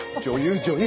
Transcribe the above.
女優！